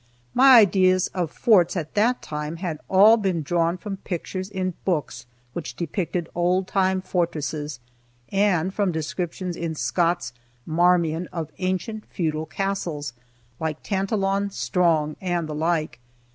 My ideas of forts at that time had all been drawn from pictures in books which depicted old time fortresses, and from descriptions in Scott's "Marmion" of ancient feudal castles like "Tantallon strong," and the like.